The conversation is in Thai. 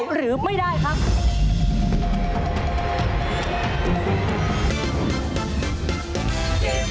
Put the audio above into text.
หรือไม่ได้ครับ